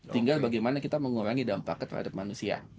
tinggal bagaimana kita mengurangi dampaknya terhadap manusia